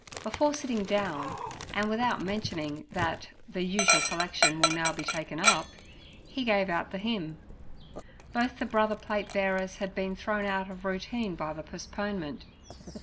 Before sitting down and without mentioning that 'The usual collection will now be taken up' he gave out the hymn. Both the Brother plate bearers had been thrown out of routine by the postponement.